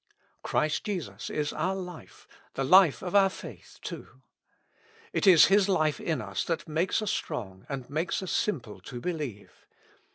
Christ Jesus is our life, the life of our faith too. It is His life in us that makes us strong, and makes us simple to believe.